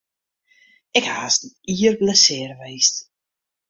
Ik haw hast in jier blessearre west.